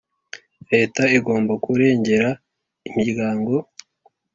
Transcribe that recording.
leta igomba kurengera imiryango,